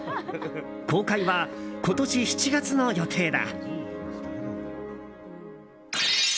公開は今年７月の予定だ。